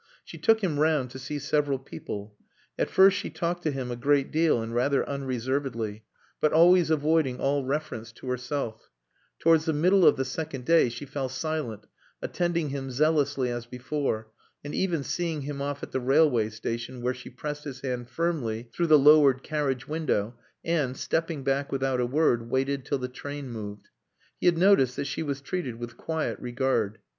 She took him round to see several people. At first she talked to him a great deal and rather unreservedly, but always avoiding all reference to herself; towards the middle of the second day she fell silent, attending him zealously as before, and even seeing him off at the railway station, where she pressed his hand firmly through the lowered carriage window, and, stepping back without a word, waited till the train moved. He had noticed that she was treated with quiet regard.